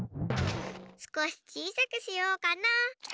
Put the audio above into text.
すこしちいさくしようかな。